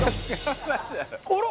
あら！